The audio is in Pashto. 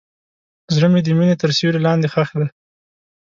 زړه مې د مینې تر سیوري لاندې ښخ دی.